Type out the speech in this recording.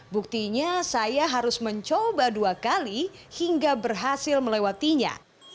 buktinya saya harus mencoba dua kali hingga berhasil melewatinya